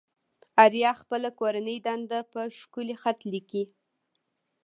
آريا خپله کورنۍ دنده په ښکلي خط ليكي.